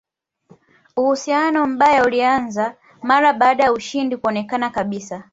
Uhusiano mbaya ulianza mara baada ya ushindi kuonekana kabisa